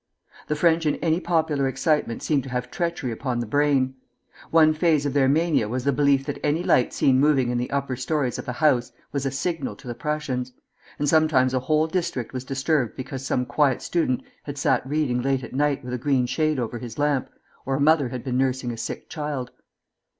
The French in any popular excitement seem to have treachery upon the brain. One phase of their mania was the belief that any light seen moving in the upper stories of a house was a signal to the Prussians; and sometimes a whole district was disturbed because some quiet student had sat reading late at night with a green shade over his lamp, or a mother had been nursing a sick child.